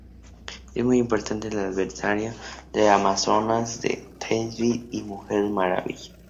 Es un importante adversario de las amazonas de Themyscira y de Mujer Maravilla.